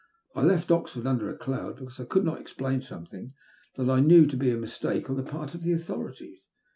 I left Oxford under a cloud, because I could not explain something that I knew to be a mistake on the part of the authorities.